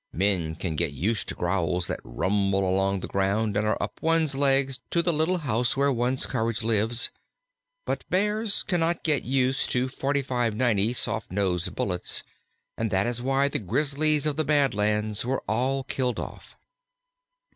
Men can get used to growls that rumble along the ground and up one's legs to the little house where one's courage lives; but Bears cannot get used to 45 90 soft nosed bullets, and that is why the Grizzlies of the Bad Lands were all killed off.